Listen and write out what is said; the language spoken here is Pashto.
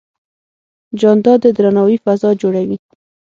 جانداد د درناوي فضا جوړوي.